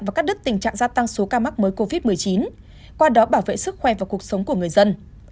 và cắt đứt tình trạng gia tăng số ca mắc mới covid một mươi chín qua đó bảo vệ sức khỏe và cuộc sống của người dân